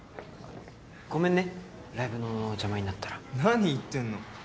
ごめんねライブの邪魔になったら何言ってんの「ＣｏｍｅＡｇａｉｎ」